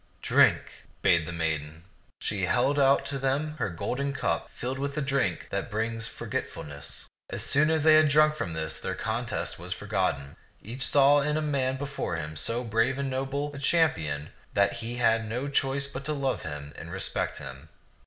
" Drink," bade the maiden ; and she held out to them her golden cup, filled with the drink that brings forgetfulness. As soon as they had drunk from this, their contest was forgotten. Each saw in the man before him so brave and noble a cham pion that he had no choice but to love him and re spect him.